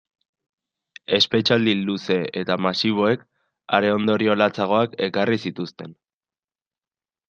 Espetxealdi luze eta masiboek are ondorio latzagoak ekarri zituzten.